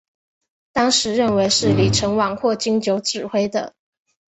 当时认为是李承晚或金九指挥的。